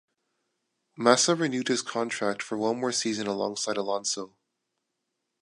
Massa renewed his contract for one more season alongside Alonso.